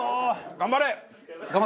頑張れ！